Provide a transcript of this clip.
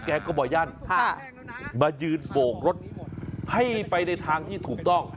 แกก็บ่อยั่นมายืนโบกรถให้ไปในทางที่ถูกต้อง